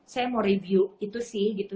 saya mau review itu sih gitu